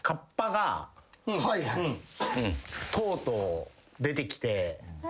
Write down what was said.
とうとう出てきて。